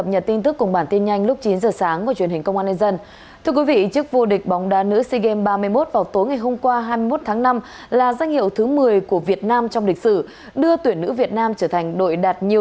hãy đăng ký kênh để ủng hộ kênh của chúng mình nhé